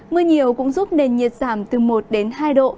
mưa nhiều cũng giúp nền nhiệt giảm từ một đến hai độ